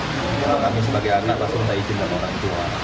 ya pasti sebagai orang tua kami sebagai anak langsung menghaji dengan orang tua